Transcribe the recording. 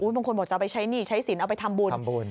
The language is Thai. บางคนบอกจะเอาไปใช้หนี้ใช้สินเอาไปทำบุญ